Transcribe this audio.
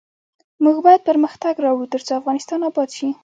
موږ باید پرمختګ راوړو ، ترڅو افغانستان اباد شي.